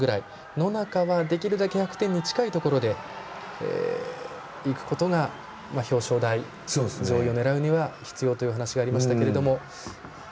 野中はできるだけ１００点に近いところでいくことが表彰台上を狙うには必要というお話がありましたけど。